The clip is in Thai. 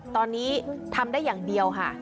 ตอนนี้ทำได้อย่างเดียวค่ะ